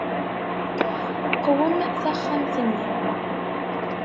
Qwem taxxamt-nni.